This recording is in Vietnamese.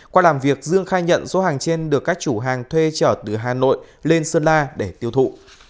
qua làm việc dương khai nhận số hàng trên được các chủ hàng thuê trở từ hà nội lên sơn la để tiêu thụ